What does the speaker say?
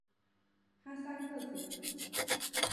哈萨克族。